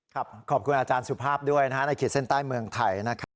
ขอบคุณอาจารย์สุภาพด้วยนะฮะในขีดเส้นใต้เมืองไทยนะครับ